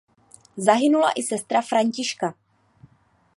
Zahynula i sestra Františka.